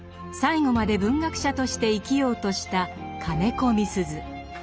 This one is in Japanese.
最後まで文学者として生きようとした金子みすゞ。